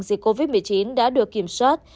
dịch covid một mươi chín đã được kiểm soát